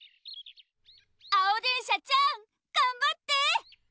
あおでんしゃちゃんがんばって！